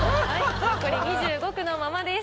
残り２５句のままです。